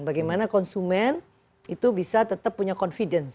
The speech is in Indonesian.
bagaimana konsumen itu bisa tetap punya confidence